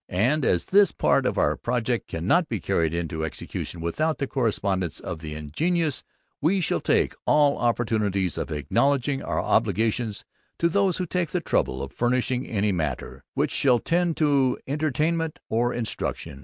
And as this part of our project cannot be carried into execution without the correspondence of the INGENIOUS, we shall take all opportunities of acknowledging our obligations, to those who take the trouble of furnishing any matter which shall tend to entertainment or instruction.